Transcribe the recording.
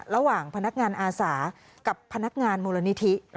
ระหว่างพนักงานอาสากับพนักงานมูลนิธิ